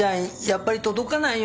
やっぱり届かないよ。